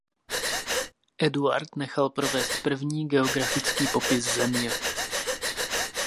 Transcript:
Eduard nechal provést první geografický popis země.